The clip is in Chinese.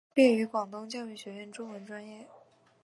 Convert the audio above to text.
毕业于广东教育学院中文专业。